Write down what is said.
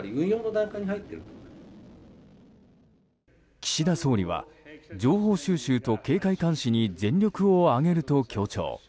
岸田総理は情報収集と警戒監視に全力を挙げると強調。